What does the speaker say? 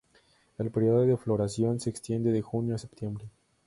El período de floración se extiende de junio a septiembre.